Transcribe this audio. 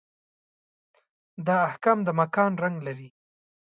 دا احکام د مکان رنګ لري.